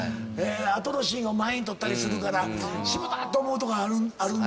後のシーンを前に撮ったりするからしもた！と思うとこがあるんだ？